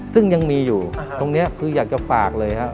ซึ่งยังมีอยู่ตรงนี้คืออยากจะฝากเลยฮะ